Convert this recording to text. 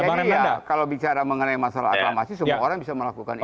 jadi ya kalau bicara mengenai masalah aklamasi semua orang bisa melakukan itu